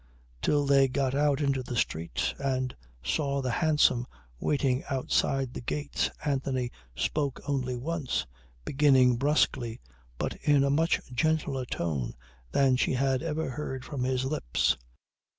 Till they got out into the street and saw the hansom waiting outside the gates Anthony spoke only once, beginning brusquely but in a much gentler tone than she had ever heard from his lips.